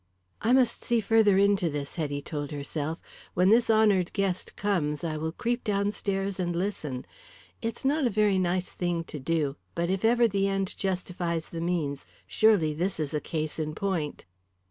"I must see further into this," Hetty told herself. "When this honoured guest comes I will creep downstairs and listen. It's not a very nice thing to do, but if ever the end justifies the means, surely this is a case in point."